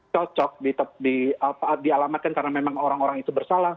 cocok dialamatkan karena memang orang orang itu bersalah